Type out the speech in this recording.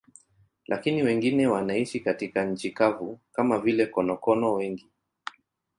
Lakini wengine wanaishi katika nchi kavu, kama vile konokono wengi.